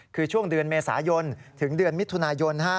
คือช่วงเดือนเมษายนถึงเดือนมิถุนายน